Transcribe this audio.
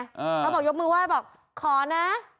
เขาก็บอกยกมือไหว้ขอนะ